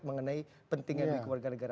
mengenai pentingnya duit keluarga negara